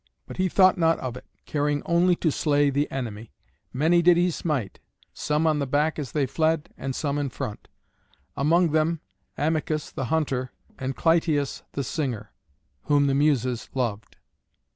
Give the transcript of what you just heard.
But he thought not of it, caring only to slay the enemy. Many did he smite, some on the back as they fled, and some in front; among them Amycus the hunter, and Clytius the singer, whom the Muses loved.